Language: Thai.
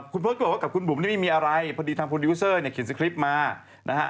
คุณพศก็บอกว่ากับคุณบุ๋มนี่ไม่มีอะไรพอดีทางโปรดิวเซอร์เนี่ยเขียนสคริปต์มานะฮะ